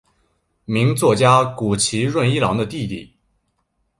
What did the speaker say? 名作家谷崎润一郎的弟弟。